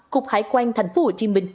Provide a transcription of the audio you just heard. cục hải quan tp hcm